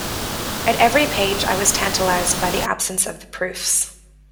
At every page I was tantalised by the absence of the proofs.